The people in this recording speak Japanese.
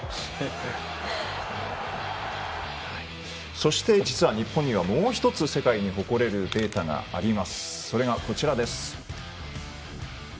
そして実は日本にはもう１つ世界に誇れるデータがあります。